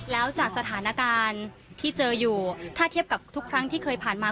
แล้วจากสถานการณ์ที่เจออยู่ถ้าเทียบกับทุกครั้งที่เคยผ่านมา